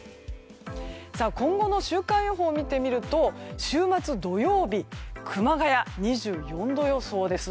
今後の週間予報を見てみると週末土曜日熊谷、２４度予想です。